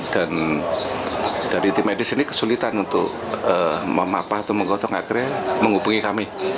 dan dari tim medis ini kesulitan untuk memapah atau mengotong akhirnya menghubungi kami